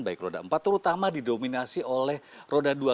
baik roda empat terutama didominasi oleh roda dua